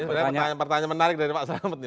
ini sebenarnya pertanyaan menarik dari pak selamet nih